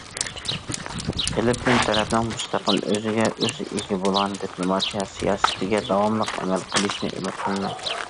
فىلىپپىن تەرەپنىڭ مۇستەقىل، ئۆزىگە ئۆزى ئىگە بولغان دىپلوماتىيە سىياسىتىگە داۋاملىق ئەمەل قىلىشىنى ئۈمىد قىلىمەن.